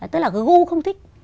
tức là gưu không thích